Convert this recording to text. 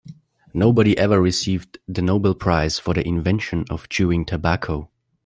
Nobody ever received the Nobel prize for the invention of chewing tobacco.